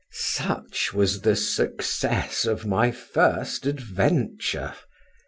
Such was the success of my first adventure.